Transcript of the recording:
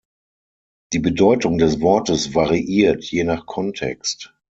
Die Bedeutung des Wortes variiert je nach Kontext.